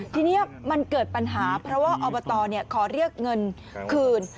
ทีนี้มันเกิดปัญหาเพราะว่าอบตขอเรียกเงินคืน